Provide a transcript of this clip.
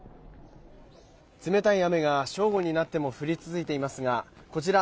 冷たい雨が正午になっても降り続いていますがこちら、